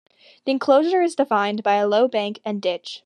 The enclosure is defined by a low bank and ditch.